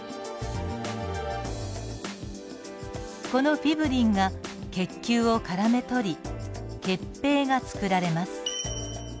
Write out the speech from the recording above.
このフィブリンが血球をからめ捕り血ぺいが作られます。